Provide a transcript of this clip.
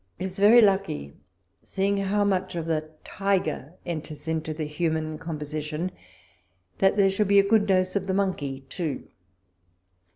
It is very lucky, seeing how much of the tiger enters into the human composition, that there should be a good dose of the monkey too.